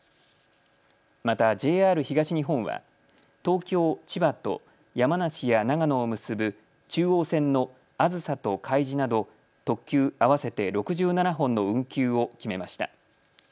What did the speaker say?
またＪＲ東日本は東京、千葉と山梨や長野を結ぶ中央線のあずさとかいじなど特急合わせて６７本の運休を決めました。